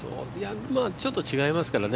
ちょっと違いますからね。